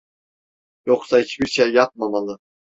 Yoksa hiçbir şey yapmamalı.